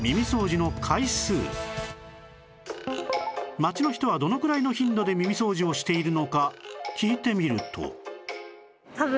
街の人はどのくらいの頻度で耳掃除をしているのか聞いてみると